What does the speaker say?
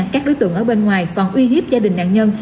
các đối tượng ở bên ngoài còn uy hiếp gia đình nạn nhân